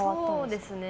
そうですね。